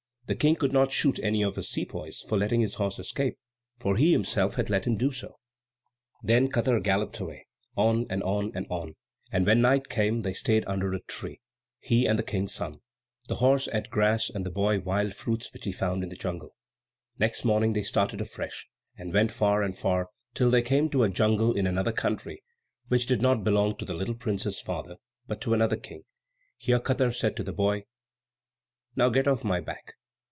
The King could not shoot any of his sepoys for letting his horse escape, for he himself had let him do so. Then Katar galloped away, on, and on, and on; and when night came they stayed under a tree, he and the King's son. The horse ate grass, and the boy wild fruits which he found in the jungle. Next morning they started afresh, and went far, and far, till they came to a jungle in another country, which did not belong to the little prince's father, but to another king. Here Katar said to the boy, "Now get off my back."